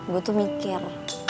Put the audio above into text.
gue tuh mikir